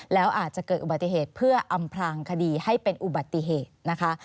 แล้วอาจจะเกิดอุบัติเหตุเพื่ออำพลางคดีให้เป็นอุบัติเหตุนะคะ